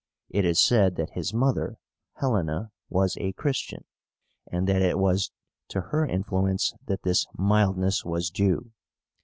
It is said that his mother, HELENA, was a Christian, and that it was to her influence that this mildness was due.